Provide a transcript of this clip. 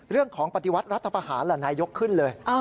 เรื่องของปฏิวัติรัฐประหารนายยกขึ้นเลย